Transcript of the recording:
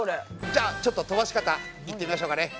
じゃあちょっと飛ばし方いってみましょうかね。